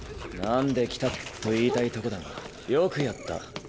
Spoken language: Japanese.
なんで来た？と言いたいとこだがよくやった。